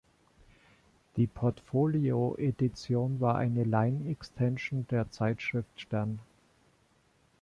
Die Portfolio-Edition war eine Line Extension der Zeitschrift "stern".